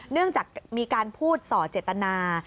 เนื่องจากมีการพูดส่อเจตนา